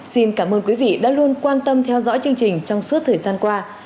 xin cảm ơn quý vị đã luôn quan tâm theo dõi chương trình trong suốt thời gian qua